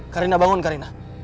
karina bangun karina